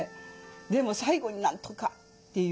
でも最後になんとかっていう。